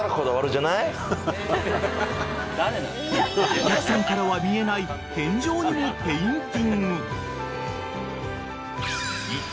［お客さんからは見えない天井にもペインティング］